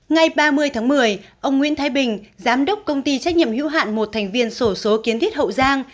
ngày ba mươi tháng một mươi ông nguyễn thái bình giám đốc công ty trách nhiệm hữu hạn một thành viên sổ số kiến thiết hậu giang